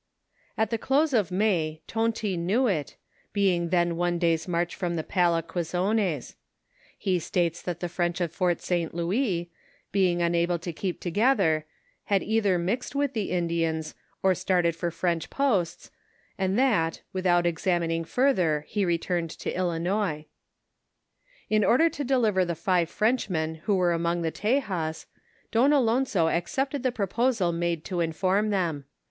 At tht! cloHO of May Tonty know it, hein)^ tlitn ono day's march from tho PalaqucRonoR : ho otatca that tliu Froiiuh of Fort Ht, Loiiiw, \mnff unalilo to kocp to^othcr, had either mixed with tho Indiann, or Htarted for French ])08t«, and that, without cxaminini; further, lio returned to Illinois. In order to deliver tho five Frenchmen who wero anion^; tho Tejas, Don Alonso noooptcd tho pro|>oHal mado to inform them.